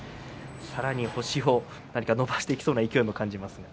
さらに星を伸ばしていきそうな勢いも感じます。